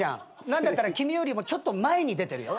何だったら君よりもちょっと前に出てるよ。